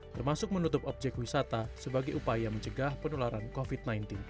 termasuk menutup objek wisata sebagai upaya mencegah penularan covid sembilan belas